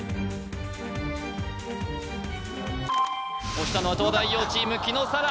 押したのは東大王チーム紀野紗良